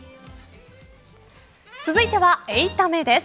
続いては８タメです。